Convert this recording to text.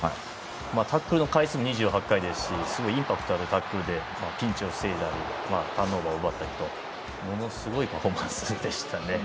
タックルの回数２８回ですしインパクトのあるタックルでピンチを防いだりターンオーバーを奪ったりとものすごいパフォーマンスでした。